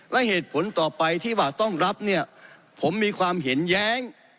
และเหตุผลต่อไปที่ว่าต้องรับเนี่ยผมมีความเห็นแย้ง